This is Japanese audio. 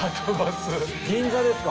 銀座ですか！